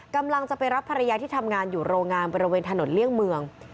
กำลังจะไปรับภรรยาที่ทำงานอยู่โรงงานบริเวณถนนเลี่ยงเมือง